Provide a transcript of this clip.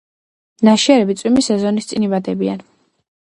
ნაშიერები წვიმის სეზონის წინ იბადებიან.